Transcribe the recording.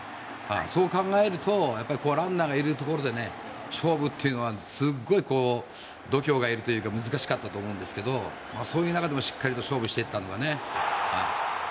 そう考えるとランナーがいるところで勝負というのはすごい度胸がいるというか難しかったと思うんですけどそういう中でもしっかりと勝負していったのがね。